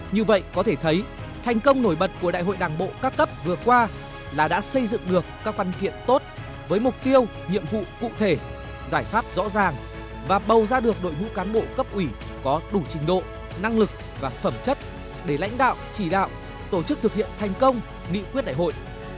như vậy có thể thấy thành công nổi bật của đại hội đảng bộ các cấp vừa qua là đã xây dựng được các văn kiện tốt với mục tiêu nhiệm vụ cụ thể giải pháp rõ ràng và bầu ra được đội ngũ cán bộ cấp ủy có đủ trình độ năng lực và phẩm chất để lãnh đạo chỉ đạo tổ chức thực hiện thành công nghị quyết đại hội